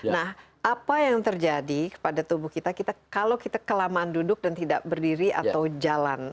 nah apa yang terjadi kepada tubuh kita kita kalau kita kelamaan duduk dan tidak berdiri atau jalan